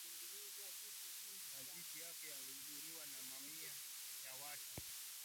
Mazishi yake yalihudhuliwa na mamia ya watu wakiwemo